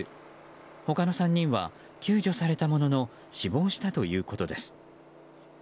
他の３人は救助されたものの死亡したということです。